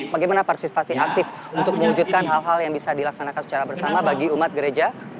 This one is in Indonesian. bagaimana partisipasi aktif untuk mewujudkan hal hal yang bisa dilaksanakan secara bersama bagi umat gereja